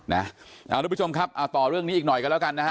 ทุกผู้ชมครับเอาต่อเรื่องนี้อีกหน่อยกันแล้วกันนะฮะ